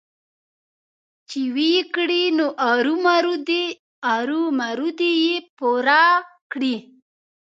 چې ويې کړي نو ارومرو دې يې پوره کړي.